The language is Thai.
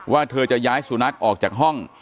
เธอจะย้ายสุนัขออกจากห้อง